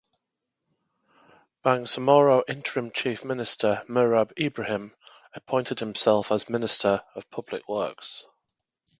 Bangsamoro Interim Chief Minister Murad Ebrahim appointed himself as Minister of Public Works.